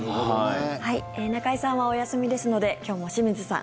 中居さんはお休みですので今日も清水さん